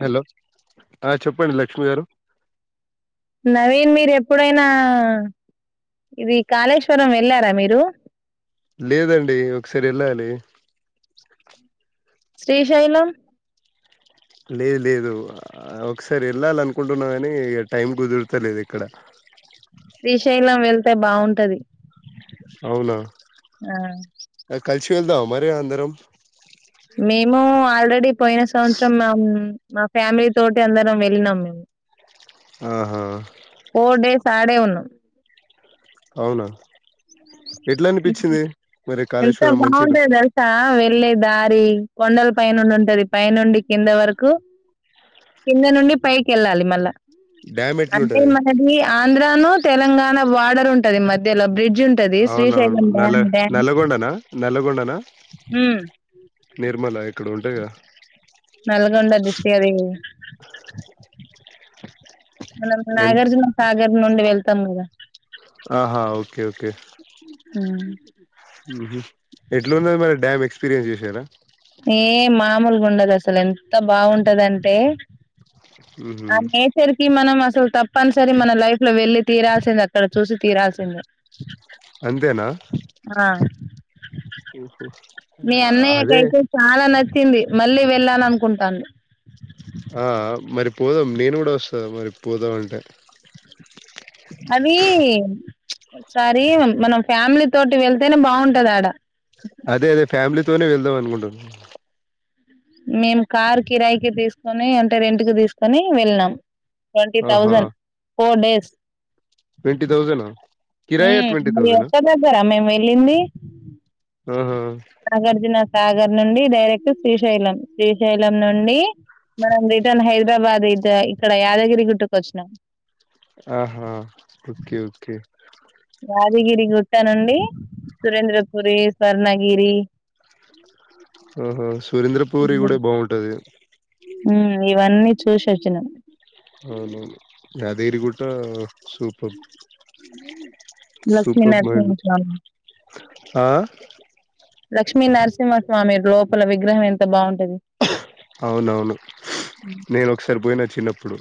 Hello ఆ చెప్పండి లక్ష్మి గారు నవీన్ మీరు ఎప్పుడైనా ఇది కాళేశ్వరం వెళ్ళారా మీరు లేదండి ఒకసారి వెళ్ళాలి శ్రీశైలం లేదు లేదు ఒకసారి వెళ్ళాల అనుకుంటున్నా కాని టైం కుదురుతా లేదు ఇక్కడ శ్రీ శైలం వెళ్తే బాగుంటది అవునా ఆ కలిసి వెళ్దావా మరి అందరం నో ఆల్రెడీ పోయిన సంవత్సరం మేం మా ఫ్యామిలీ తోటి అందరం వెళ్ళినం మేము ఆహా తడే ఉను అవునా ఎట్లా అనిపించింది మరి ఎంత కాళేశ్వరం మంచిగా బాగుంటది తెలుసా వెళ్ళ దారి కొండల పైనుండి ఉంటది పైనుండి కింద వరకు కింద నుండి పైకి వెళ్ళాలి మళ్ళా డ్యామ్ అంటే ఎట్లుంటది మనది ఆంధ్రాను తెలంగాణ బార్డర్ ఉంటది మధ్యలో బ్రిడ్జ్ ఉంటది శ్రీశైలం డ్యామ్ డ్యామ్ నల్గొండనా ఉమ్ నిర్మలా ఇక్కడ ఉంటాగా నల్గండ డిస్ట్రిక్ అది మనం ఎ నాగార్జున సాగర్ నుండి వెళ్తాం కదా ఆహా ఓకే ఓకే హ ఎట్లు ఉందో మరి డ్యామ్ ఎక్స్పీరియన్స్ చేసారా ఏ మామూలుగా ఉండదు అసలు ఎంత బాగుంటదంటే ఊహు ఆ నేచర్ కి మనం అసలు తప్పు తప్పనిసరి మన లైఫ్ లో వెళ్లి తీరాల్సిందే అక్కడ చూసి తీరాల్సిందే అంతేనా ఆ హుహు. మీ అన్నయ్యక అదే అయితే చాలా నచ్చింది మళ్ళీ వెళ్ళాను అనుకుంటాను ఆ మరి పోదాం నేను కూడా వస్తాంది మరి పోదాం అంటే అది ఒకసారి మనం ఫ్యామిలీ తోటి వెళ్తేనే బాగుంటది ఆడ అదే అదే ఫ్యామిలీతోనే వెళ్దాం అనుకుంటున్నాను మేము కార్ కిరాయికిి తీసుకొని అంటే రెంట్ కి తీసుకొని వెళ్ళనాం ట్వంటీ ఆహా! తౌజండ్ ఫోర్ డేస్ కిరాయా మళ ఒక్క దగ్గరా మేము వెళ్ళింది ఆహా నాగార్జున సాగర్ నుండి డైరెక్ట్ శ్రీశైలం శ్రీశైలం నుండి మనం రిటన్ హైదరాబాద్ ఇ ఇక్కడ యాదగిరి గుటుకు వచ్చినాం ఆహా ఓకే ఓకే యాదగిరి గుట్ట నుండి సురేంద్రపురి స్వర్ణగిరి హ ఆహో సురేంద్ర పూరి కూడా బాగుంటది ఇవన్నీ చూసిచ్చినం అవున యాదగిరి గుట్ట సూపర్ లక్ష్మీనరసింహ స్వామి ఆ! లక్ష్మీ నరసింహస్వామి లోపల విగ్రహం ఎంత బాగుంటది అవునవును నేను ఒకసారి పోయిన చిన్నప్పుడు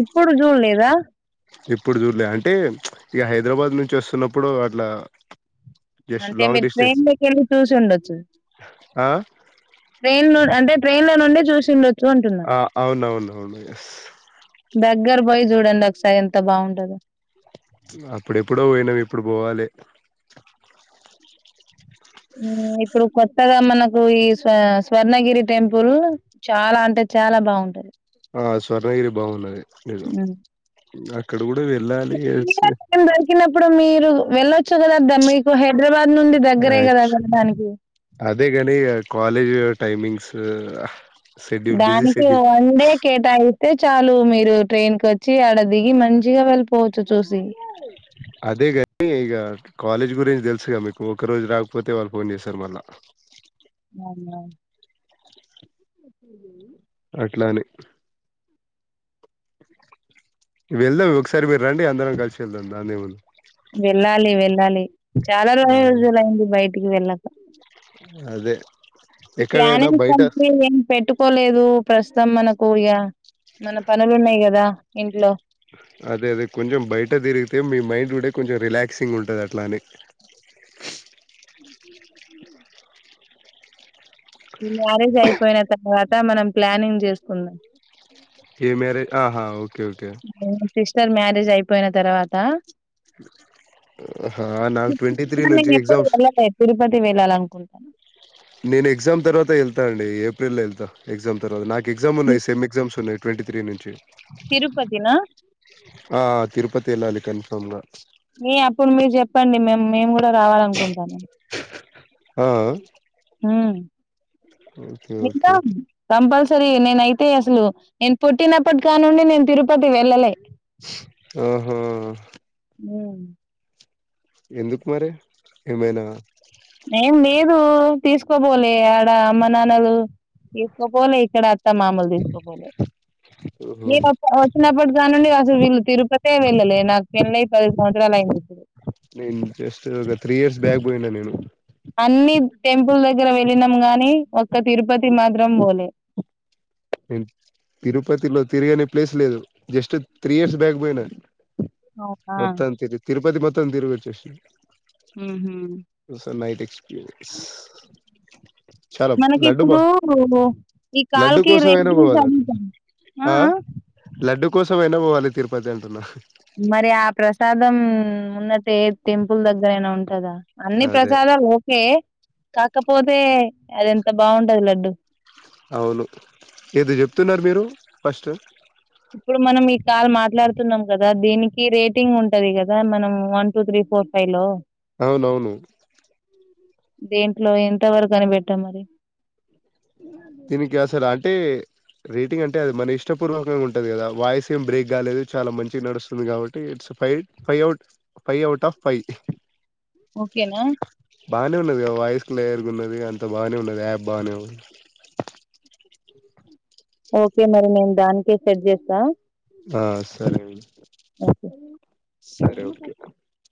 ఇప్పుడు చూడలేదా ఎప్పుడు చూర్లే అంటే ఈ హైదరాబాద్ నుంచి వస్తున్నప్పుడు అట్లా జస్ట్ అంటే లాంగ్ మీరు డిస్టెన్స్. ట్రైన్లోకి వెళ్ళి చూసి ఉండొచ్చు ఆ! ట్రైన్ ను అంటే ట్రైన్ లో నుండి చూసిందచు ఆ అవునవును అవును ఎస్ దగ్గర బాయ్ చూడండి ఒకసారి ఎంత బాగుంటదు అప్పుడెప్పుడో వొయినామ్, ఇప్పుడు బోవాలే. ఇప్పుడు కొత్తగా మనకు, ఈ స్వ స్వర్ణగిరి టెంపుల్ చాలా అంటే. చాలా బాగుంటది. ఆ స్వర్ణగిరి బాగున్నది, నిజం మ్మ్ అక్కడ. ఇప్పుడు వెళ్ళాలి ఏసి. మీరే టైం దొరికినప్పుడు మీరు వెళ్ళొచ్చు కదా ద్దా మీకు హెద్రా. ఏచ్ అదేగాని అ కాలేజ్ టైమింగ్స్. షెడ్యూల్ బిజీ దానికె షెడ్యూల్ వన్ డే కేటా. అయితే చాలు, మీరు ట్రైన్ కు వచ్చి, ఆడ దిగి మంచిగా వెళ్ళిపోవచ్చు చూసి. అదేగాని ఇగ, కాలేజ్ గురించి తెలుసుగా మీకు, ఒక రోజు రాకపోతే వాళ్ళు ఫోన్ జెస్తారు మళ్ళా. అవునా. అట్లాఅని. వెళ్దాం ఒకసారి మీరు రండి, అందరం కలిసి వెళ్దాం దాదేముంది. వెళ్ళాలి వెళ్ళాలి, చాలా రొ రోజులయింది బయటికి వెళ్ళక. అదే. ఈ ఎక్కడైనా ఫ్నానేన్ బయట కంపెనీ ఏం పెట్టుకోలేదు, ప్రస్తుతం మనకు ఇగ. మన పనులు ఉన్నాయి గదా ఇంట్లో. అదే అదే కొంచం బయట తీరిగితే, మీ మైండ్. టుడే కొంచం రిలాక్సింగ్ ఉంటంది, అట్లా అని. ఈ మ్యారేజ్ అయిపోయిన తర్వాత, మనం ప్లానింగ్ జెసుకుందాం. ఏ మ్యారేజ్ ఆహా ఓ. సిస్టర్ మ్యారేజ్ అయిపోయిన తర్వాత. ఆహా, నాకు ట్వంటీ త్రీ నను నుంచి ఎప్పుడు ఎగ్జామ్స్ వెళ్ళాలే, తరుపతి వెళ్ళాల లను. కొల్తను నేను ఎగ్జామ్ తర్వాత ఏళ్తా అండి, ఏప్రిల్ల్లో ఏళ్తా, ఎగ్జామ్ తరువాత, నాకుగ్జామ్ ఉన్నాయి సెమ్ ఎగ్జమ్స్ ఉన్నాయి. ట్వంటీ త్రీ నుంచి. తిరుపతిన. ఆ తిరుపతి ఏళ్ళాలి కన్ఫర్మ్ గా. ఏ అప్పుడు మీరు జెప్పండి, మేమ్ మేము కూడా రావాల అనుకుంటానమ్. ఆ ఉమ్ ఓకే ఓకే వెళ్తామ్ కంపల్స. సరే నేనయితే అసలు, నేను పుట్టినప్పటి కానుండి నేను తిరుపతి వెళ్ళలే. ఓహో. ఉమ్. ఎందుకు మరి ఏమైనా. ఏం లేదు. తీసుకబోలే ఆడ అమ్మ నాన్నలు, తీసుకపోలే ఇక్కడ. అత్త మామలు తీసకపోలే. ఓహో నేను అప్ వొచ్చినప్పటి కానుండి, అసలు వీళ్ళు తిరుపతే వెళ్ళలే, నాకు పెళ్ళి పది సంవత్సరాలు అయింది. అ నేను జస్ట్ ఒక త్రీ ఇయర్స్, బ్యాక్ బోయినా నేను. అన్ని టెంపుల్ దగ్గర వెళ్ళినాం గానీ, ఒక్క తిరుపతి మాత్రం బోలే. తిరుపతిలో తిరిగనీ ప్లేస్ లేదు, జస్ట్ త్రీ ఇయర్స్ బ్యాక్ బోయినా. అవునా మొత్తం తరు తిరుపతి మొత్తం తిరుగొచ్చేసిన. ఉమ్. ఎక్స్పీరియన్స్ చాలా మనకి లడ్డు బా ఇప్పుడు ఈ కాల్ లడ్డు కీ. కీ కోసమైనా రేటింక్స్ పోవాలి అటు ఎంత అ ఆ. నువ్వు ఎండు పొవాలి తిరుపతి అంటున్నా. ఉన్నటే టెంపుల్ దగ్గరయినా ఉంటగ, అన్ని అదే ప్రసాదాలు ఓకే. కాకపోతే, అది ఎంత బాగుంటది లడ్డు. అవును ఏది చెప్తున్నారు మీరు ఫస్ట్ ఇప్పుడు మనం ఈ కాల్ మాట్లాడుతున్నాం కదా దీనికి రేటింగ్ ఉంటది కదా మనం వన్ టూ త్రీ పో పయి లో అవునవును దేంట్లో ఎంతవరకు అని పెట్టాం మరి దీనికిసార అంటే రేటింగ్ అంటే అది మన ఇష్టపూర్వకంగా ఉంటది కదా వాయిస్ ఏం బ్రేక్ కాలేదు చాలా మంచిగా నడుస్తుంది కాబట్టి it's five five out five out of five ఓకేనా బాగానే ఉన్నది వాయిస్ క్లయర్గా ఉన్నది అంత బాగానే ఉన్నది యాప్ బాగానే ఉంది ఓకే మరి నేను దానికే సెట్ చేస్తా ఆ సరే అం ఓకే సరే కే